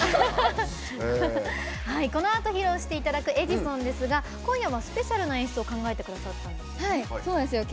このあと披露していただく「エジソン」ですが今夜はスペシャルな演出を考えてくださったんですね。